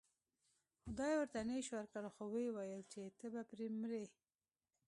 خدای ورته نیش ورکړ خو و یې ویل چې ته به پرې مرې.